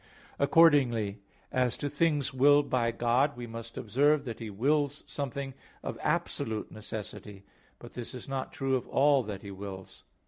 Accordingly as to things willed by God, we must observe that He wills something of absolute necessity: but this is not true of all that He wills.